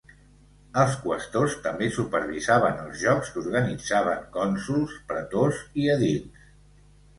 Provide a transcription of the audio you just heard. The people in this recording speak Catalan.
Els qüestors també supervisaven els jocs que organitzaven cònsols, pretors i edils.